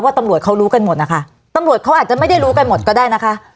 ตำรวจเขารู้กันหมดนะคะตำรวจเขาอาจจะไม่ได้รู้กันหมดก็ได้นะคะ